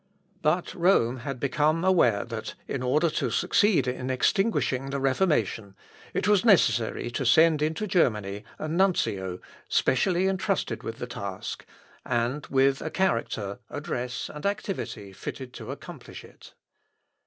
But Rome had become aware that, in order to succeed in extinguishing the Reformation, it was necessary to send into Germany a nuncio specially entrusted with the task, and with a character, address, and activity fitted to accomplish it.